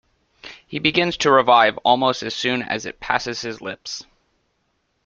He begins to revive almost as soon as it passes his lips.